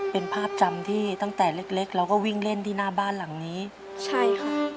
เป็นภาพจำที่ตั้งแต่เล็กเล็กเราก็วิ่งเล่นที่หน้าบ้านหลังนี้ใช่ค่ะ